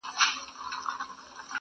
o د غله ځاى په غره کي نه پيدا کېږي.